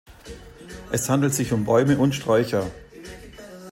Es handelt sich um Bäume und Sträucher.